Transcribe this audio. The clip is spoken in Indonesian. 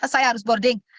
saya harus boarding